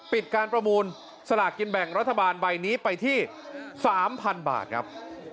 ปิดการประมูลสลากกินแบ่งรัฐบาลใบนี้ไปที่๓๐๐๐บาทครับ